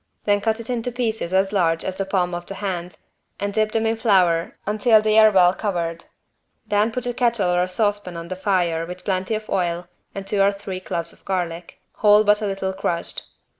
Then cut it into pieces as large as the palm of the hand and dip them in flour until they are well covered. Then put a kettle or a saucepan on the fire with plenty of oil and two or three cloves of garlic, whole but a little crushed.